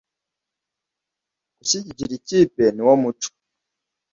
gushyigikira ikipe niwo muco